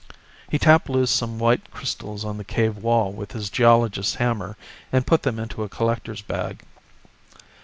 He tapped loose some white crystals on the cave wall with his geologist's hammer, and put them into a collector's bag.